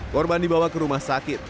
korban dibawa ke rumah sakit